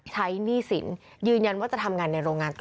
หนี้สินยืนยันว่าจะทำงานในโรงงานต่อ